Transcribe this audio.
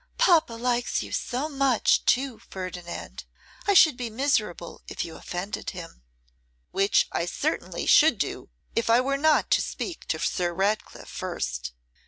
'Papa likes you so much too, Ferdinand, I should be miserable if you offended him.' 'Which I certainly should do if I were not to speak to Sir Ratcliffe first.